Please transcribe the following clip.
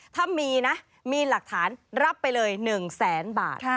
ถ้ามีนะมีหลักฐานรับไปเลย๑แสนบาท